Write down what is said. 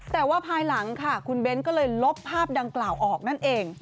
แต่ว่าภายหลังค่ะคุณเบ้นก็เลยลบภาพดังกล่าวออกนั่นเอง